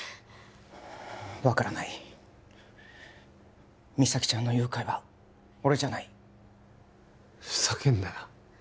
分からない実咲ちゃんの誘拐は俺じゃないふざけんなよ